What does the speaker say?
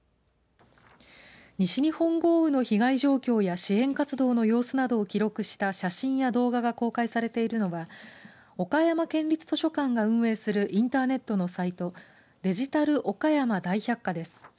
西日本豪雨の被害状況や支援活動の様子などを記録した写真や動画が公開されているのは岡山県立図書館が運営するインターネットのサイトデジタル岡山大百科です。